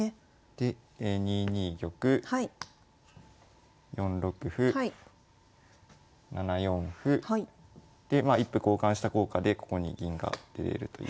で２二玉４六歩７四歩で一歩交換した効果でここに銀が出れるという。